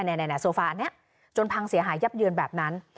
อันไหนอันไหนโซฟานี้จนพังเสียหายับเดือนแบบนั้น